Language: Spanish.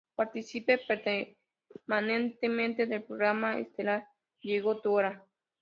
Partícipe permanentemente del programa estelar Llegó tu hora.